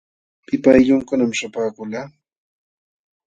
¿Pipa aylllunkunam śhapaakulqa?